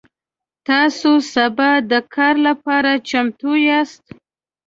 تاسو سبا د کار لپاره چمتو یاست؟